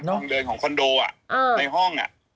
เป็นทางเดินของคอนโดอ่ะในห้องอ่ะ